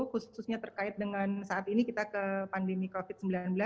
khususnya terkait dengan saat ini kita ke pandemi covid sembilan belas